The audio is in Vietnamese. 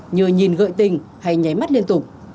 nhờ nhìn gợi tình hay nháy mắt liên tục